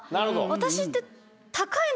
私って。